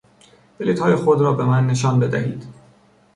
بلیطهای خود را به من نشان بدهید!